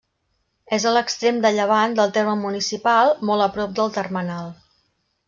És a l'extrem de llevant del terme municipal, molt a prop del termenal.